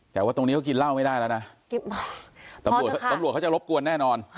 แต่ว่าตรงนี้เขากินเหล้าไม่ได้แล้วนะตำรวจตำรวจเขาจะรบกวนแน่นอน